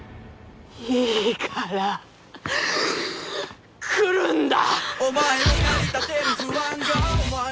いいから。来るんだ！